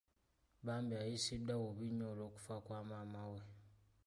Bambi ayisiddwa bubi nnyo olw’okufa kwa maama we.